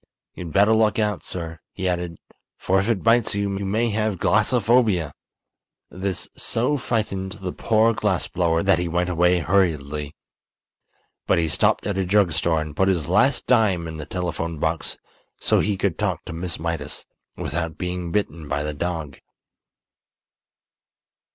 You'd better look out, sir," he added, "for if it bites you, you may have glassophobia!" This so frightened the poor glass blower that he went away hurriedly. But he stopped at a drug store and put his last dime in the telephone box so he could talk to Miss Mydas without being bitten by the dog.